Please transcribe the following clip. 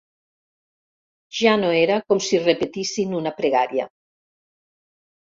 Ja no era com si repetissin una pregària.